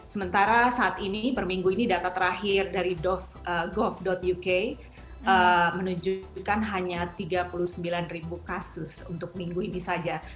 sementara saat ini per minggu ini data terakhir dari gov uk menunjukkan hanya tiga puluh sembilan ribu kasus untuk minggu ini saja